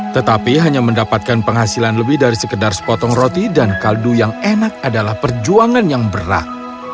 tetapi hanya mendapatkan penghasilan lebih dari sekedar sepotong roti dan kaldu yang enak adalah perjuangan yang berat